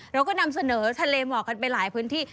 เราก็นำเสนอทะเลหมอกกันไปหลายพื้นที่